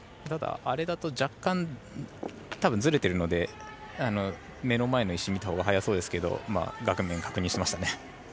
ただ、あれだと若干ずれているので目の前の石を見たほうが早そうですけど画面を確認しましたね。